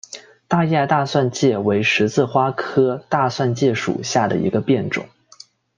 大叶大蒜芥为十字花科大蒜芥属下的一个变种。